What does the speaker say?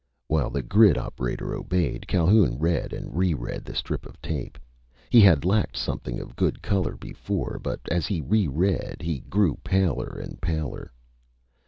While the grid operator obeyed, Calhoun read and reread the strip of tape. He had lacked something of good color before, but as he reread, he grew paler and paler.